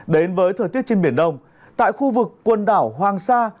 đến với thời tiết trên biển đông tại khu vực quần đảo hoàng sa